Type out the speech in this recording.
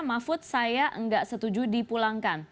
mahfud saya nggak setuju dipulangkan